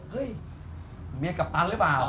เฮ้ยเมียกัปตันหรือเปล่า